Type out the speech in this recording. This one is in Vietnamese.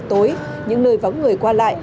tối những nơi vắng người qua lại